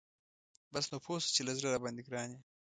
بس نو پوه شه چې له زړه راباندی ګران یي .